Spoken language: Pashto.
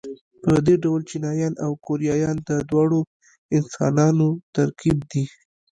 په دې ډول چینایان او کوریایان د دواړو انسانانو ترکیب دي.